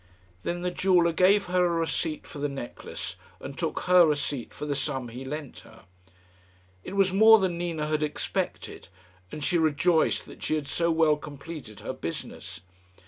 Then the jeweller gave her a receipt for the necklace and took her receipt for the sum he lent her. It was more than Nina had expected, and she rejoiced that she had so well completed her business.